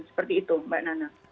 seperti itu mbak nana